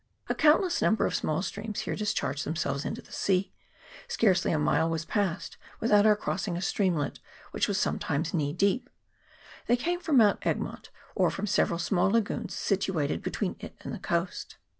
A countless number of small streams here dis charge themselves into the sea : scarcely a mile was passed without our crossing a streamlet, which was sometimes knee deep. They came from Mount Egmont, or from several small lagoons situated be tween it and the coast.